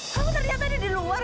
kamu ternyata ada di luar